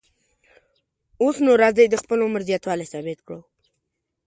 اوس نو راځئ د خپل عمر زیاتوالی ثابت کړو.